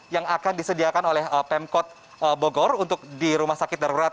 yang akan disediakan oleh pemkot bogor untuk di rumah sakit darurat covid sembilan belas ini